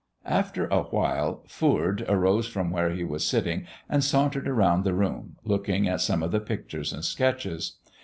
After a while Foord arose from where he was sitting and sauntered around the room, looking at some of the pictures and sketches.